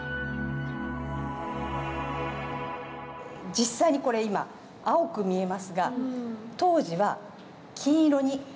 実際にこれ今青く見えますが当時は金色に輝いていた。